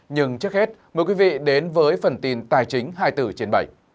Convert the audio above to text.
nhưng trước hết mời quý vị đến với phần tin tài chính hai mươi bốn trên bảy